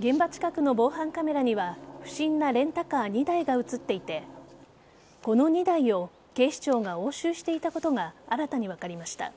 現場近くの防犯カメラには不審なレンタカー２台が映っていてこの２台を警視庁が押収していたことが新たに分かりました。